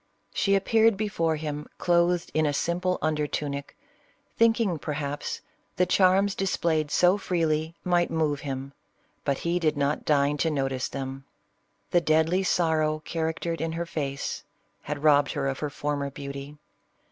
She appeared before him clothed in a simple under tunic, thinking, perhaps, the charms displayed so freely might move him, but he did not deign to not\ tice them. " The deadly sorrow charactered in hem face" had robbed her of her former beauty.